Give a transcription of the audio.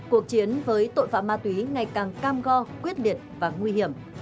cuộc chiến với tội phạm ma túy ngày càng cam go quyết liệt và nguy hiểm